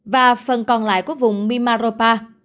và phần còn lại của vùng mimaropa